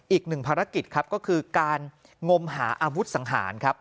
อีกหนึ่งภารกิจครับก็คือการงมหาอาวุธสังหารครับ